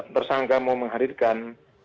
tersangka mau menghadirkan